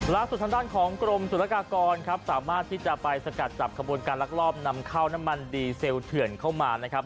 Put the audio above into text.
ล่าสุดทางด้านของกรมสุรกากรครับสามารถที่จะไปสกัดจับขบวนการลักลอบนำเข้าน้ำมันดีเซลเถื่อนเข้ามานะครับ